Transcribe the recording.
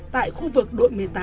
tại khu vực đội một mươi tám